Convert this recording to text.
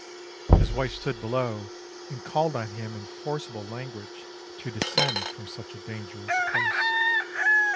His wife stood below and called on him in forcible language to descend from such a dangerous place.